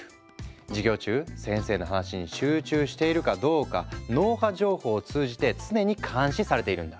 授業中先生の話に集中しているかどうか脳波情報を通じて常に監視されているんだ。